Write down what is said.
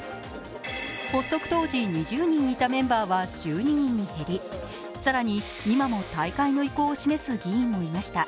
発足当時、２０人いたメンバーは１２人に減り、更に、今も退会の意向を示す議員もいました。